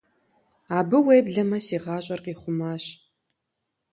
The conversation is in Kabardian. Абы, уеблэмэ, си гъащӀэр къихъумащ.